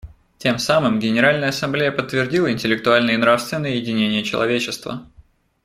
Тем самым Генеральная Ассамблея подтвердила интеллектуальное и нравственное единение человечества.